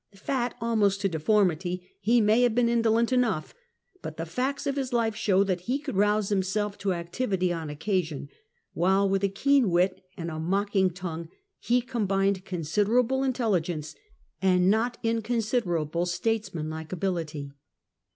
Fat almost to deformity, he may have been indolent enough, but the facts of his life show that he could rouse himself to activity on occasion, while with a keen wit and a mocking tongue he combined considerable intelligence and not inconsiderable statesmanlike ability.